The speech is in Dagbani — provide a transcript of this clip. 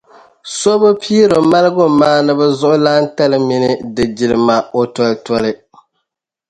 So bi piiri maligumaaniba zuɣulantali mini di jilima o tolitoli.